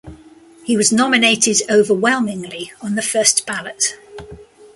He was nominated overwhelmingly on the first ballot.